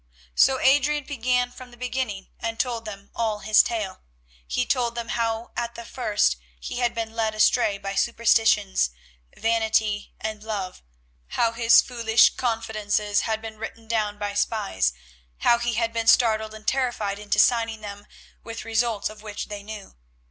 So Adrian began from the beginning, and told them all his tale. He told them how at the first he had been led astray by superstitions, vanity, and love; how his foolish confidences had been written down by spies; how he had been startled and terrified into signing them with results of which they knew.